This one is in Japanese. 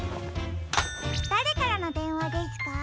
だれからのでんわですか？